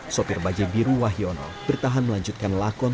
sopir bajai biru wahyono bertahan melanjutkan lakon